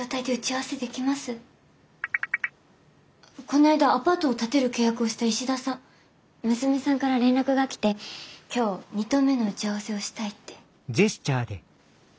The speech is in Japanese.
この間アパートを建てる契約をした石田さん娘さんから連絡が来て今日２棟目の打ち合わせをしたいって。